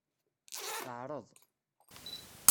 Teɛreḍ.